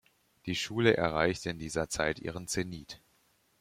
Die Schule erreichte in dieser Zeit ihren Zenit.